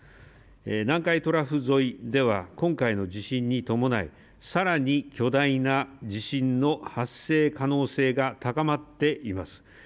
南海トラフ沿いでは今回の地震に伴い、さらに巨大な地震の発生可能性が高まっています。